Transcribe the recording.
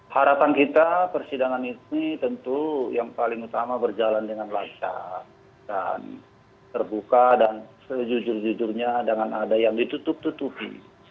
harapan kita persidangan ini tentu yang paling utama berjalan dengan lancar dan terbuka dan sejujur jujurnya dengan ada yang ditutup tutupi